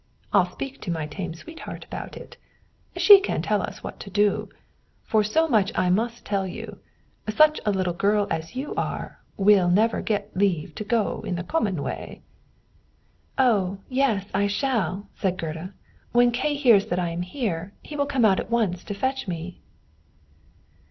I'll speak to my tame sweetheart about it; she can tell us what to do; for so much I must tell you, such a little girl as you are will never get leave to go in the common way." "Oh, yes, I shall," said Gerda: "when Kay hears that I am here, he will come out at once to fetch me."